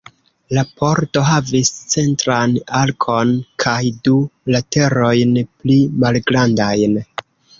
La pordo havis centran arkon kaj du laterojn pli malgrandajn.